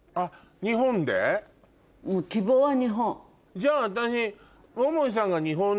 じゃあ私。